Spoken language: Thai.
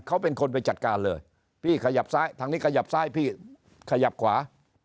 เขาเป็นคนไปจัดการเลยพี่ขยับซ้ายทางนี้ขยับซ้ายพี่ขยับขวา